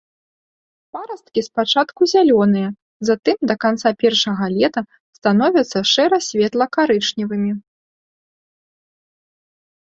Парасткі спачатку зялёныя, затым да канца першага лета становяцца шэра-светла-карычневымі.